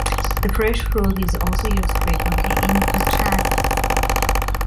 The fresh fruit is also used frequently in "pachadis".